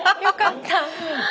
よかった。